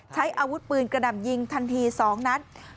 ใช้อาวุธปืนกระหน่ำยิงทันที๒นัด